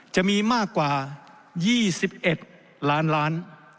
จะมีมากกว่า๒๑ล้านล้าน